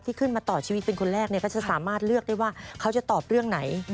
ขึ้นมาต่อชีวิตเป็นคนแรกเนี่ยก็จะสามารถเลือกได้ว่าเขาจะตอบเรื่องไหน